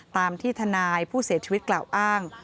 ตามที่ทนายผู้เสียชีวิตกล่าวอ้าง